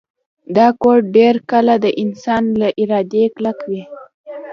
دا کوډ ډیر کله د انسان له ارادې کلک وي